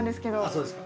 そうですか。